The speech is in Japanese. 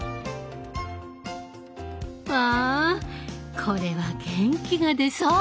わぁこれは元気が出そう！